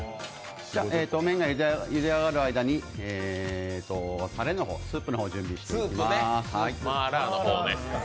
麺がゆであがる間にたれ、スープを準備していきます。